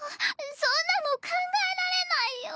そんなの考えられないよ！